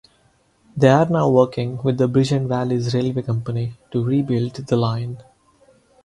They are now working with the Bridgend Valleys Railway Company to rebuild the line.